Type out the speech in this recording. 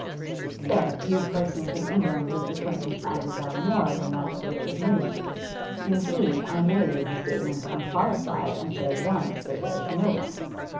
'There are few persons in England whose acquaintance I desire more than that of Mr. Richard Mutimer; indeed, I may leave the statement unqualified and say at once that there is no one.